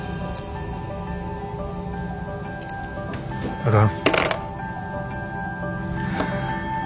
あかん。